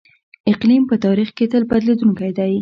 اقلیم په تاریخ کې تل بدلیدونکی دی.